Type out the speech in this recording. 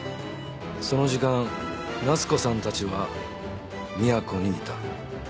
その時間夏子さんたちはみやこにいた。